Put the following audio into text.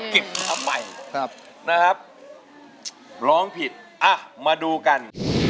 เก็บมาใหม่นะครับร้องผิดมาดูกัน